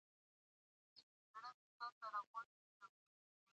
ما څو ورځې هېڅ شى تر ستوني تېر نه کړل.